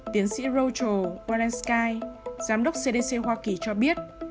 tiến sĩ rojo walensky giám đốc cdc hoa kỳ cho biết